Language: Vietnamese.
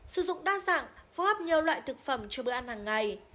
sử dụng đa dạng phối hợp nhiều loại thực phẩm cho bữa ăn hàng ngày